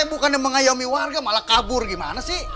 bukan dia mengayomi warga malah kabur gimana sih